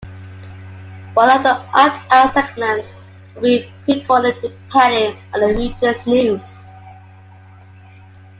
One of the opt out segments would be pre-recorded depending on the regions news.